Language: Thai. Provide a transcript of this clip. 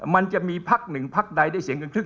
มันจะมีพักหนึ่งพักใดได้เสียงเกินครึ่ง